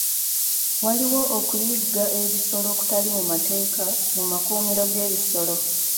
Waliwo okuyigga ebisolo okutali mu mateeka mu makuumiro g'ebisolo.